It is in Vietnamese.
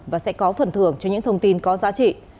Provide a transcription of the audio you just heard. và sẽ có phần thưởng cho những thông tin có giá trị